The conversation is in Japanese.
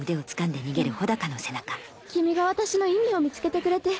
でも君が私の意味を見つけてくれて